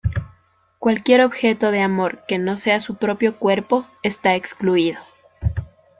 Cualquier objeto de amor que no sea su propio cuerpo está excluido.